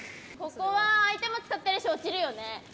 ここは相手も使ってるし落ちるよね。